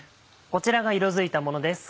こちらが色づいたものです